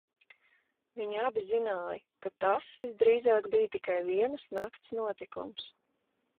Viņi abi zināja, ka tas visdrīzāk bija tikai vienas nakts notikums.